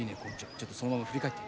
ちょっとそのまま振り返って。